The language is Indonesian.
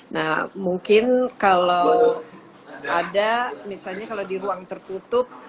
nah mungkin kalau ada misalnya kalau di ruang tertutup